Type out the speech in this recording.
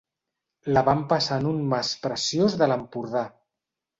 La vam passar en un mas preciós de l'Empordà.